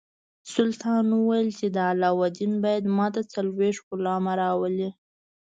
سلطان وویل چې علاوالدین باید ماته څلوېښت غلامان راولي.